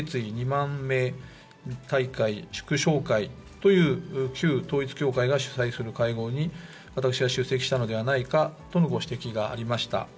２万名大会祝勝会という旧統一教会が主催する会合に私が出席したのではないかとのご指摘がありました。